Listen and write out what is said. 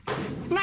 何？